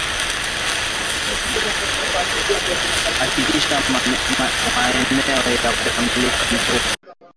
Hakikisha maeneo ya kukamulia mifugo na mabanda ni safi